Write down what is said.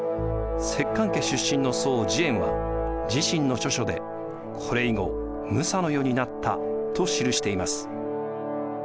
摂関家出身の僧慈円は自身の著書で「これ以後武者の世になった」と記しています。